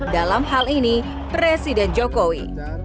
dalam hal ini presiden jokowi